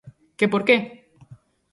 Que por que?